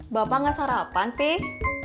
bapak gak sarapan peh